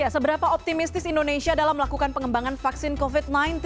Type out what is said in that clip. seberapa optimistis indonesia dalam melakukan pengembangan vaksin covid sembilan belas